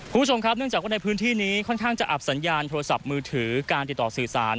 คุณผู้ชมครับเนื่องจากว่าในพื้นที่นี้ค่อนข้างจะอับสัญญาณโทรศัพท์มือถือการติดต่อสื่อสาร